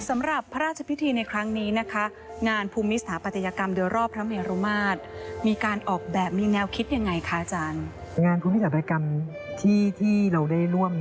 ไม่จ้างเหนื่อยไปมองว่าพักอ่ะนะก็นั่งอยู่อย่างเดียว